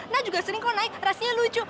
nak juga sering kok naik rasinya lucu